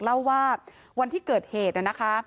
เล่าว่าวันที่เกิดเหตุนะคะ